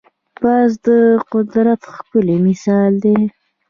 باز د قدرت ښکلی مثال دی